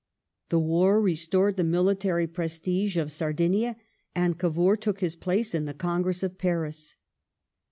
The war restored the military prestige of Sardinia and Cavour took his place in the Congress of Paris.